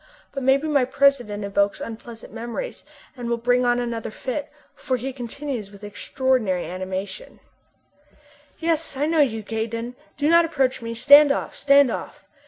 But maybe my presence evokes unpleasant memories, and will bring on another fit, for he continues with extraordinary animation: "Yes, I know you, Gaydon. Do not approach me! Stand off! stand off!